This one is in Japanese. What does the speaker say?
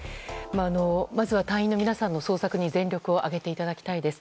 まずは隊員の皆様の捜索に全力を挙げていただきたいです。